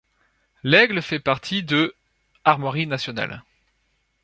L’aigle fait partie de armoiries nationales.